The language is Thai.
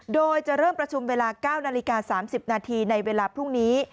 โดยจะเริ่มประชุมเวลา๙นาฬิกา๓๐นาทีในเวลาพรุ่งนี้